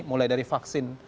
mulai dari vaksin